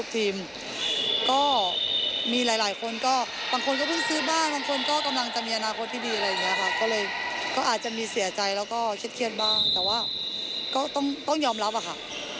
แต่ว่าก็ต้องยอมรับอ่ะค่ะ